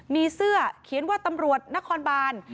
มีเสื้อเขียนว่าตำรวจนครบาน